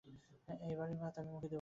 এই বাড়ির ভাত আমি মুখে দিব না।